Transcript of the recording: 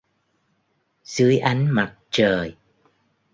Dưới ánh mặt trời